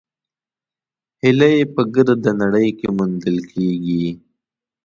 هیلۍ په ګرده نړۍ کې موندل کېږي